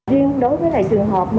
riêng đối với trường hợp